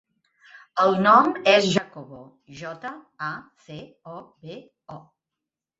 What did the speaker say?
El nom és Jacobo: jota, a, ce, o, be, o.